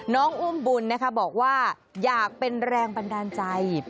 น้องอุ้มบุญนะคะบอกว่าอยากเป็นแรงบันดาลใจ